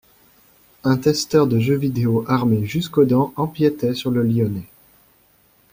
Un testeur de jeux vidéo armé jusqu'aux dents empiétait sur le lyonnais.